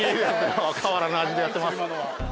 変わらぬ味でやってます。